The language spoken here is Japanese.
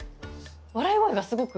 笑い声がすごく。